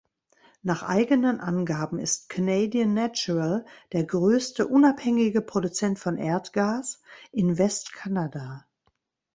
Nach eigenen Angaben ist Canadian Natural der größte unabhängige Produzent von Erdgas in Westkanada.